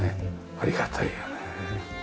ありがたいよねえ。